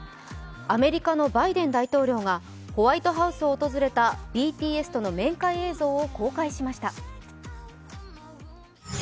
アメリカのバイデン大統領がホワイトハウスを訪れたＢＴＳとの面会映像を公開しました。